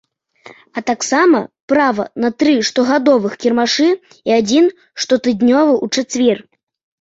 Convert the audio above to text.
А таксама права на тры штогадовых кірмашы і адзін штотыднёвы у чацвер.